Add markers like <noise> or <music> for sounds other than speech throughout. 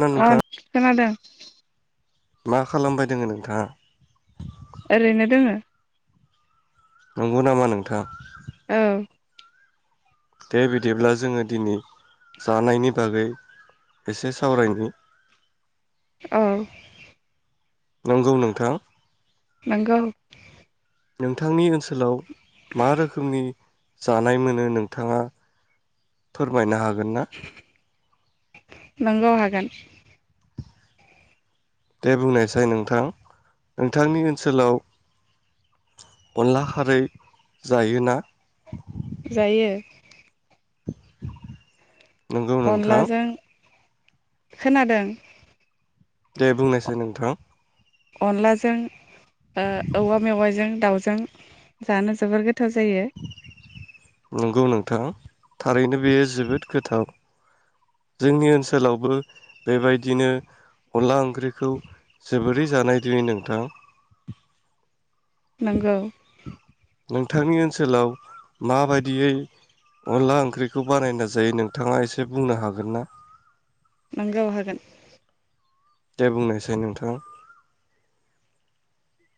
ना अ नोंथां खोनादों। मा खालामबाय दोङो नोंथाङा? ओरैनो दोङो। नंगौ नामा नोंथां। औ। दे बिदिब्ला जोङो दिनै जानायनि बागै एसे सावरायनि औ। नंगौ नोंथां। नंगौ। नोंथांनि ओ ओनसोलाव मा रोखोमनि जानाय मोनो नोंथाङा फोरमायनो हागोन हागोन ना? नंगौ हागोन। दे बुंनायसाय नोंथां नोंथांनि ओनसोलाव अनला खारै जायोना? जायो। नंगौ नोंथां। अनलाजों खोनादों। दे बुंनायसाय नोंथां अनलाजों ओ औवा मेवाजों दाउ जों जानो जोबोर गो गोथाव जायो। नंगौ नोंथां थारैनो बेयो जोबोद गोथाव जोंनि ओनसोलाव बो बेबायदिनो अनला ओंख्रिखौ जोबोरै जानाय दि नोंथां। नोंगौ। थांनि ओनसोलाव माबायदियै अनला ओंख्रिखौ बानायना जायो नोंथाङा एसे बुंनो हागोन ना? नंगौ हागोन। दे बुंनाय साय नोंथां।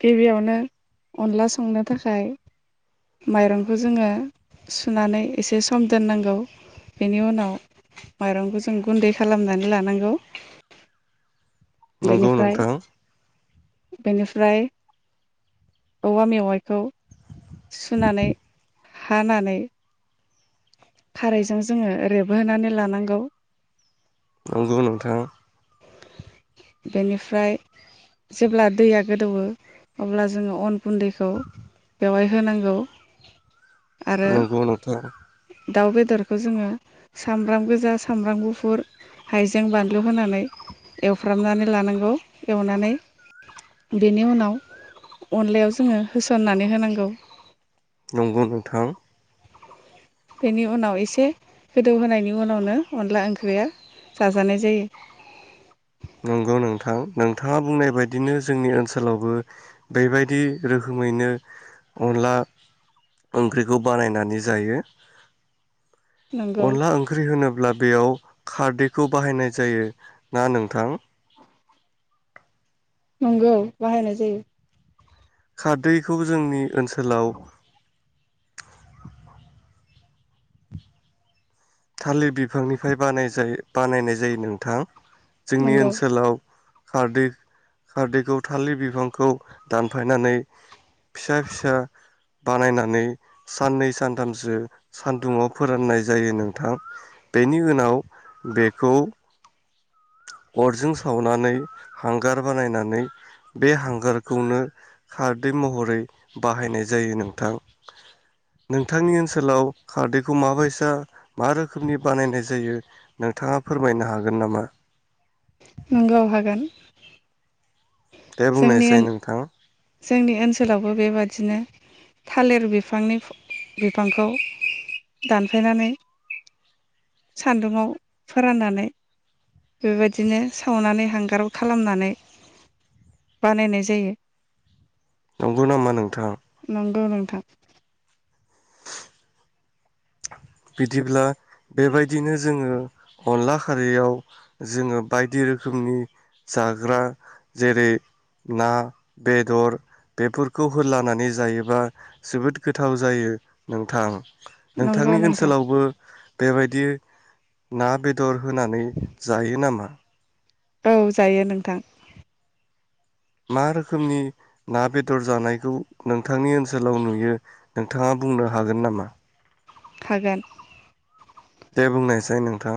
गिबियावनो अनला संनो थाखाय माइरंखौ जोङो सुनानै एसे सम दोननांगौ बेनि उनाव माइरंखौ जों गुन्दै खालामनानै लानांगौ। नंगौ बेनिफ्राय नोंथां। बेनिफ्राय औवा मेवाइखौ सुनानै हानानै खारैजों जोङो रेब होनानै लानांगौ। नंगौ नोंथां। बेनिफ्राय जेब्ला दैया गोदौवो अब्ला जोङो अन गुन्दैखौ बेवहाय होनांगौ। नंगौ नोंथां। दरखौ जोङो सामब्राम गोजा, सामब्राम गुफुर हाइजें बानलु होनानै एव फ्राननानै लानांगौ एवनानै बेनि उनाव अनलायाव जोङो होसननानै होनांगौ। नंगौ नोंथां। बेनि उनाव एसे गोदौ होनायनि उनावनो अनला ओंख्रिया जाजानाय जायो। नंगौ नोंथां नोंथाङा बुंनाय बायदिनो जोंनि ओनसोलावबो बेबायदि रोखोमैनो अनला ओंख्रिखौ बानायनानै जायो। नंगौ अनला ओंख्रि होनोब्ला बेयाव खारदैखौ बाहायनाय जायो ना नोंथां? नंगौ बाहायनाय जायो। खारदैखौ जोंनि ओनसोलाव थालिर बिफां निफ्राय बानायजायो बानायनाय जायो नोंथां। जोंनि नंगौ ओनसोलाव खारदै खारदैखौ थालिर बिफांखौ दानफाय नानै फिसा फिसा बानायनानै साननै सानथामसो सानदुं आव फोराननाय जायो नों थां बेनि उनाव बेखौ अरजों सावनानै हांगार बानायनानै बे हांगारखौनो खारदै महरै बाहायनाय जायो नोंथां। नोंथांनि ओनसोलाव खारदैखौ माबायसा मा रोखोमनि बानायनाय जायो नोंथाङा फोरमायनो हागोन नामा? नंगौ हागोन। दे बुंनाय जोंनि साय नोंथां। जोंनि ओनसोलावबो बेबादिनो थालिर बिफांनि बिफांखौ दानफाय नानै सान्दुङाव फोराननानै बेबायदिनो सावनानै हांगाराव खालामनानै बानायनाय जायो। नंगौ नामा नोंथां नंगौ नों- थां बिदिब्ला बेबायदिनो जोंङो अनला खारैयाव जोङो बायदि रोखोमनि जाग्रा जेरै ना बेदर बेफोरखौ होलानानै जायोबा जोबोद गोथाव जायो नोंथां नंगौ नोंथांनि नोंथां ओनसोलावबो बेबायदि ना बेदर होनानै जायो नामा औ जायो नोंथां मा रोखोमनि ना बेदर जानायखौ नोंथांनि ओनसोलाव नुयो नोंथाङा बुंनो हागोन नामा हागोन दे बुंनायसाइ नोंथां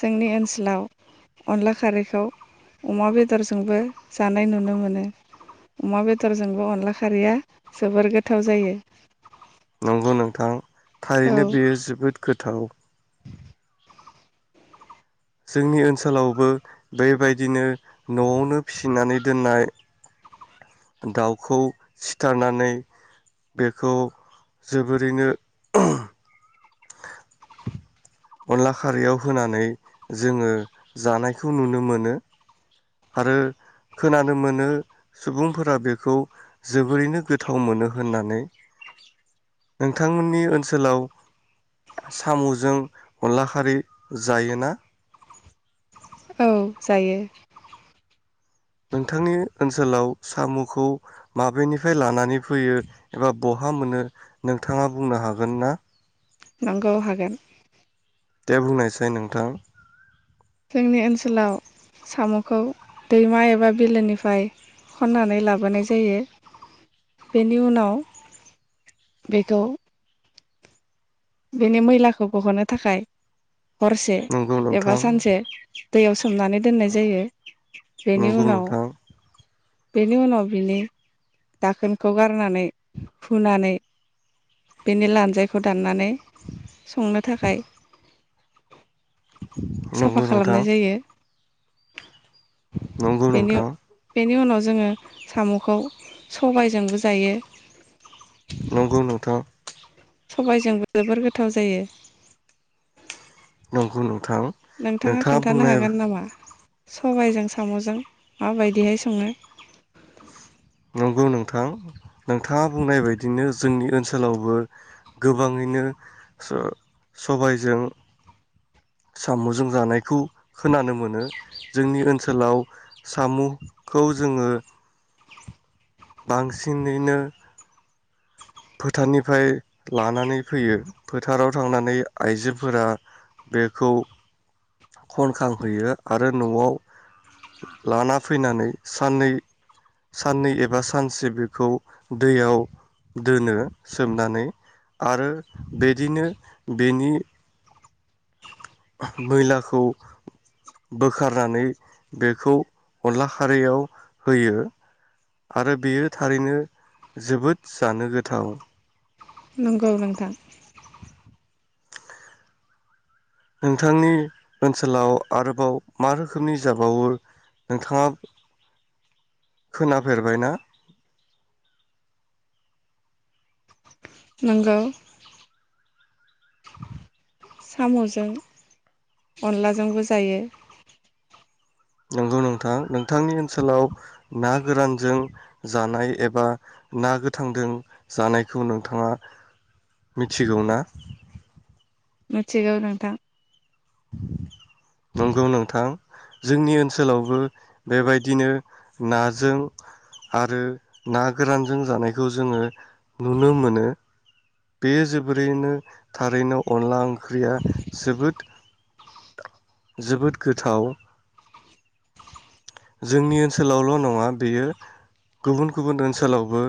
जोंनि ओनसोलाव अनला खारैखौ अमा बेदरजोंबो जानाय नुनो मोनो अमा बेदरजोंबो अनला खारैया जोबोर गोथाव जायो नंगौ नोंथां औ थारैनो बेयो जोबोद गोथाव जोंनि ओनसोलावबो बेबायदिनो न'आवनो फिसिनानै दोननाय दाउखौ सिथारनानै बेखौ जोबोरैनो अनला खारैयाव होनानै जोंङो जानायखौ नुनो मोनो आरो खोनानो मोनो सुबुंफोरा बेखौ जोबोरैनो गोथाव मोनो होननानै नोंथांमोननि ओनसोलाव साम'जों अनला खारि जायोना औ जायो नोंथांनि ओनसोलाव साम'खौ माबेनिफ्राय लानानै फैयो एबा बहा मोनो नोंथाङा बुंनो हागोन ना नोंगौ हागोन दे बुंनायसाइ नोंथां जोंनि ओनसोलाव साम'खौ दैमा एबा बिलोनिफ्राय खन्नानै लाबोनाय जायो बेनि उनाव बेखौ बेनि मैलाखौ बहननो थाखाय हरसे नंगौ एबा नोंथां सानसे दैयाव सोमनानै दोननाय जायो बेनि नंगौ उनाव नोंथां बेनि उनाव बिनि दाखोनखौ गारनानै फुनानै बेनि लान्जायखौ दाननानै संनो थाखाय नंगौ साफा नोंथां खालामनाय जायो नंगौ बेनि नोंथां बेनियाव जोंङो साम'खौ सबायजोंबो जायो नंगौ नोंथां सबायजोंबो जोबोर गोथाव जायो नंगौ नों- नोंथाङा खोन्थानो हागोन नामा सबायजों साम'जों माबायदिहाय संङो नोंगौ नोंथां नोंथाङा बुंनाय बायदिनो जोंनि ओनसोलावबो गोबांङैनो स-सबायजों साम'जों जानायखौ खोनानो मोनो जोंनि ओनसोलाव साम'खौ जोङो बांसिनैनो फोथारनिफ्राय लानानै फैयो फोथाराव थांनानै आइजोफोरा बेखौ खनखांहैयो आरो न'आव लाना फैनानै साननै साननै एबा सानसे बेखौ दैयाव दोनो सोमनानै आरो बेदिनो बेनि मैलाखौ बोखारनानै बेखौ अनला खारैयाव होयो आरो बेयो थारैनो जोबोद जानो गोथाव, नंगौ नोंथां नोंथांनि ओनसोलाव आरोबाव मा रोखोमनि जाबावो नोंथाङा खोनाफेरबायना? नोंगौ साम'जों अनलाजोंबो जायो। नंगौ नोंथां नोंथांनि ओनसोलाव ना गोरानजों जानाय एबा ना गोथांजों जानायखौ नोंथाङा मिथिगौ ना मिथिगौ नोंथां, नंगौ नोंथां, जोंनि ओनसोलावबो बेबायदिनो नाजों आरो ना गोरानजों जानायखौ जोङो, नुनो मोनो बे जोबोरैनो थारैनो अनला ओंख्रिया जोबोद, जोबोद गोथाव, जोंनि ओनसोलावल' नङा बेयो गुबुन गुबुन ओनसोलावबो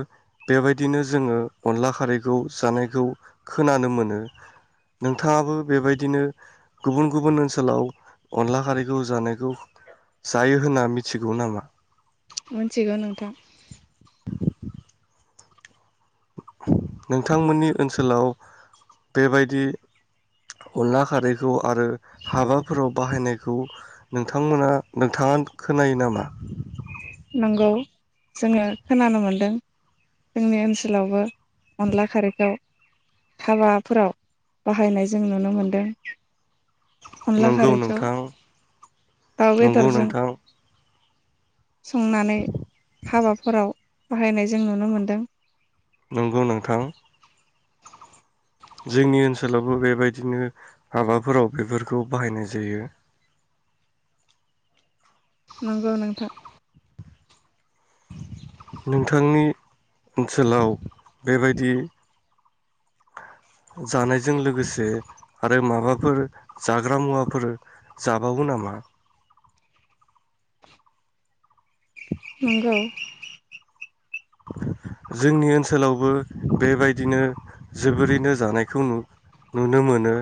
बेबायदिनो जोङो अनला खारैखौ जानायखौ खोनानो मोनो, नोंथाङाबो बेबायदिनो गुबुन गुबुन ओनसोलाव अनला खारैखौ जानायखौ जायो होनना मिथ मिथिगौ नामा? मिथिगौ नोंथां, नोंथांमोननि ओनसोलाव बेबायदि अनला खारैखौ आरो हाबाफोराव बाहायनायखौ नोंथांमोना नोंथाङा खोनायो नामा, नंगौ जोङो खोनानो मोनदों जोंनि ओनसोलावबो अनला खारैखौ हाबाफोराव बाहायनाय जों नुनो मोनदों। अनला नंगौ खारैखौ नोंथां दाउ नंगौ बेदरजों, नोंथां संनानै हाबाफोराव, बाहायनाय जों नुनो मोनदों नंगौ नोंथां, <inaudible> जोंनि ओनसोलावबो बेबायदिनो हाबाफोराव बेफोरखौ बाहायनाय जायो। नंगौ नोंथां नोंथांनि ओनसोलाव बेबायदि, जानायजों लोगोसे आरो माबा, फोर जाग्रा मुवाफोर जाबावो नामा? नंगौ, जोंनि ओनसोलावबो बेबायदिनो जोबोरैनो जानायखौ नुनो मोनो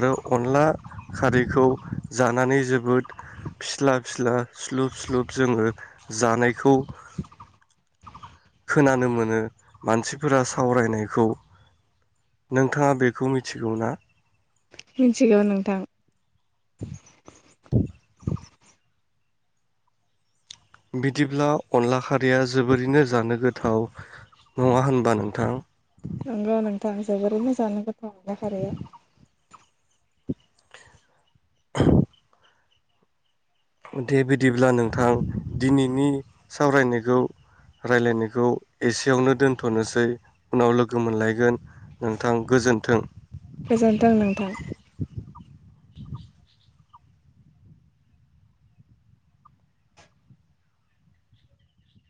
आरो अनला खारैखौ जानानै जोबोद फिस्ला फिस्ला स्लुब स्लुब जोङो जानायखौ, खोनानो मोनो मानसिफोरा सावरायनायखौ नोंथाङा बेखौ मिथिगौना? मिथिगौ नोंथां, बिदिब्ला अनला खारैया जोबोरैनो जानो गोथाव नङा होनबा नोंथां, नंगौ नोंथां जोबोरैनो जानो गोथ अनला खारै, <inaudible> दे बिदिब्ला नोंथां दिनैनि सावरायनायखौ रायलायनायखौ एसेयावनो दोनथ'नोसै उनाव लोगो मोनलायगोन नोंथां गोजोन्थों। गोजोन्थों नोंथां।